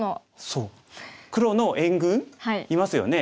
そう黒の援軍いますよね。